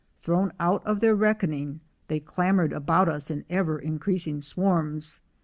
Thrown out of their reckoning, they clamored about us in ever increasing swarms.